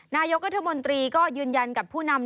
นายกรัฐมนตรีก็ยืนยันกับผู้นำ